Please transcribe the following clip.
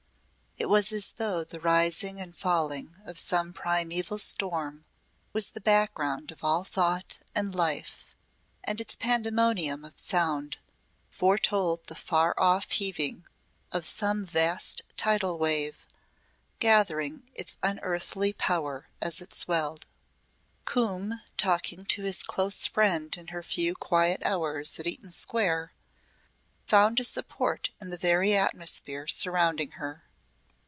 It was as though the rising and falling of some primæval storm was the background of all thought and life and its pandemonium of sound foretold the far off heaving of some vast tidal wave, gathering its unearthly power as it swelled. Coombe talking to his close friend in her few quiet hours at Eaton Square, found a support in the very atmosphere surrounding her.